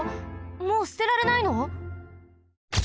もうすてられないの？